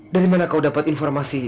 dari mana kau dapat informasi